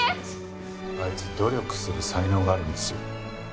あいつ努力する才能があるんですよ。